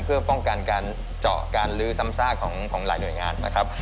เพื่อป้องกันการเจาะการลื้อซ้ำซากของหลายหน่วยงานนะครับ